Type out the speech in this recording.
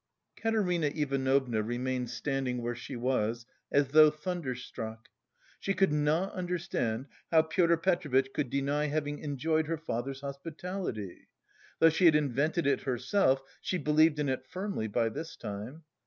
Katerina Ivanovna remained standing where she was, as though thunderstruck. She could not understand how Pyotr Petrovitch could deny having enjoyed her father's hospitality. Though she had invented it herself, she believed in it firmly by this time.